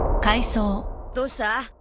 どうした？